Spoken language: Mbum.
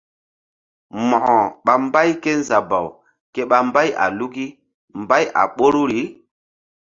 Mo̧ko ɓa mbay kézabaw ke ɓa mbay a luki mbay a ɓoruri.